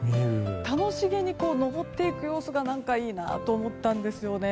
楽し気に上っていく様子がいいなと思ったんですよね。